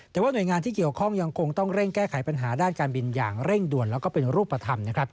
แต่ว่าหน่วยงานที่เกี่ยวข้องยังคงต้องเร่งแก้ไขปัญหาด้านการบินอย่างเร่งด่วนแล้วก็เป็นรูปธรรมนะครับ